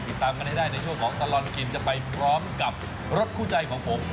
ติดตามกันให้ได้ในช่วงของตลอดกินจะไปพร้อมกับรถคู่ใจของผม